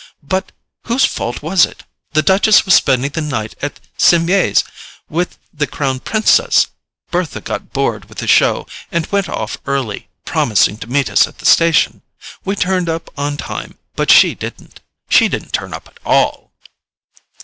But whose fault was it? The Duchess was spending the night at Cimiez with the Crown Princess; Bertha got bored with the show, and went off early, promising to meet us at the station. We turned up on time, but she didn't—she didn't turn up at all!"